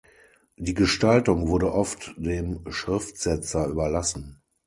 Die Gestaltung wurde oft dem Schriftsetzer überlassen.